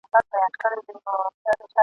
لکه شمع په خپل ځان کي ویلېدمه !.